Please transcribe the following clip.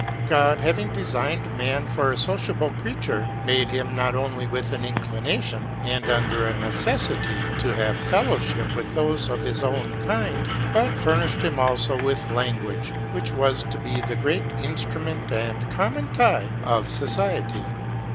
God, having designed man for a sociable creature, made him not only with an inclination, and under a necessity to have fellowship with those of his own kind, but furnished him also with language, which was to be the great instrument and common tie of society.